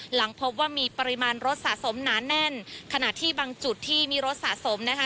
หลังพบว่ามีปริมาณรถสะสมหนาแน่นขณะที่บางจุดที่มีรถสะสมนะคะ